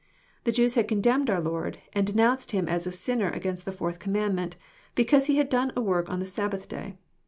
The Jews had condemned our Lord and denounced Him as a sinner against the fourth command mei}t, because He had done a work on the Sabbath day.